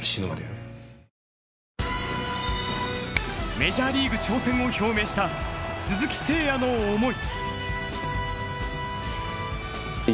メジャーリーグ挑戦を表明した鈴木誠也の思い。